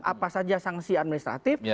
apa saja sanksi administratif